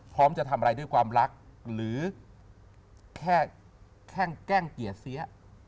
พร้อมจะทำอะไรด้วยความรักหรือแค่แกล้งเกลียดเสีย